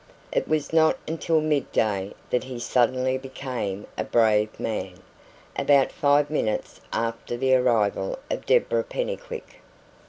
It was not until mid day that he suddenly became a brave man about five minutes after the arrival of Deborah Pennycuick.